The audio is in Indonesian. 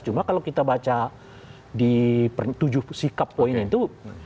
cuma kalau kita baca di tujuh sikap poin itu